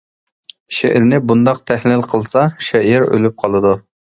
شېئىرنى بۇنداق تەھلىل قىلسا شېئىر ئۆلۈپ قالىدۇ.